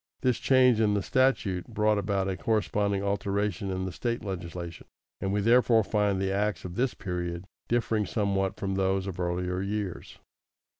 This change in the statute brought about a corresponding alteration in the State legislation, and we therefore find the acts of this period differing somewhat from those of earlier years.